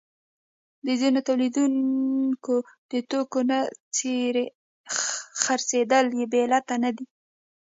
د ځینو تولیدونکو د توکو نه خرڅېدل بې علته نه دي